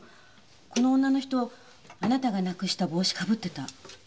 この女の人あなたがなくした帽子被ってた。